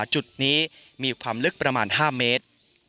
จุดนี้มีความลึกประมาณ๕เมตร